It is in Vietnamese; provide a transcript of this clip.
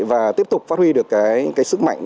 và tiếp tục phát huy được cái sức mạnh